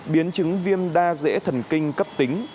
biến chứng viêm đa dễ thần kinh cấp tính